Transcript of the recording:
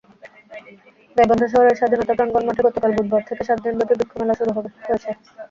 গাইবান্ধা শহরের স্বাধীনতা প্রাঙ্গণ মাঠে গতকাল বুধবার থেকে সাত দিনব্যাপী বৃক্ষমেলা শুরু হয়েছে।